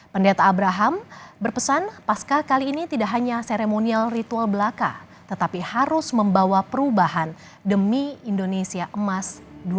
pendeta abraham berpesan pasca kali ini tidak hanya seremonial ritual belaka tetapi harus membawa perubahan demi indonesia emas dua ribu empat puluh